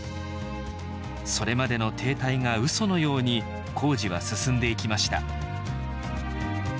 それまでの停滞がうそのように工事は進んでいきました